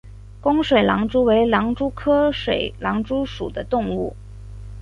弓水狼蛛为狼蛛科水狼蛛属的动物。